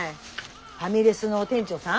ファミレスの店長さん？